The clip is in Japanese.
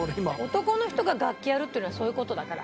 男の人が楽器やるっていうのはそういう事だから。